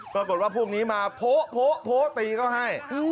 ปรากฏว่าพวกนี้มาโผ๊ะโผ๊ะโผ๊ะตีเขาให้